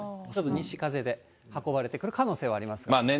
西風で運ばれてくる可能性はあります。